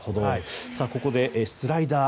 ここでスライダー。